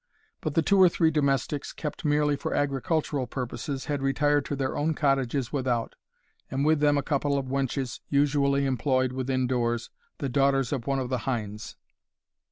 But the two or three domestics, kept merely for agricultural purposes, had retired to their own cottages without, and with them a couple of wenches, usually employed within doors, the daughters of one of the hinds.